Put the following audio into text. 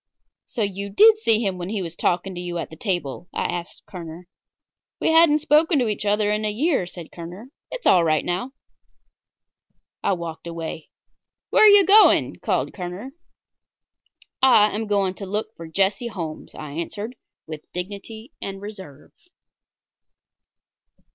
"So, you did see him when he was talking to you at the table?" I asked Kerner. "We hadn't spoken to each other in a year," said Kerner. "It's all right now." I walked away. "Where are you going?" called Kerner. "I am going to look for Jesse Holmes," I answered, with dignity and reserve.